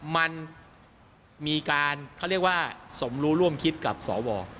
มันมีการเขาเรียกว่าสมรู้ร่วมคิดกับสว